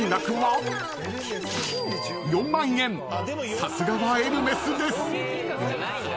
［さすがはエルメスです］